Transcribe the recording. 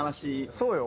そうよ。